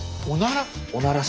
おなら？